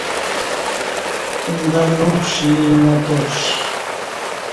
نہ نو پݜی نہ تاپݜی